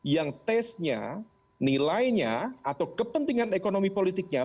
yang testnya nilainya atau kepentingan ekonomi politiknya